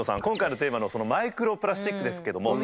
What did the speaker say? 今回のテーマのそのマイクロプラスチックですけども。